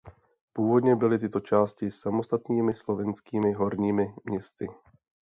Původně byly tyto části samostatnými slovenskými horními městy.